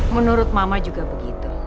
menurut mama juga begitu